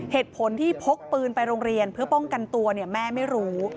เหตุผลที่พกปืนไปโรงเรียนเพื่อป้องกันตัวแม่ไม่รู้